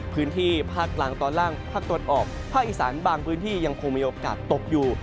พื้นที่ภาคกลางตอนล่างภาคตะวันออกภาคอีสานบางพื้นที่ยังคงมีโอกาสตกอยู่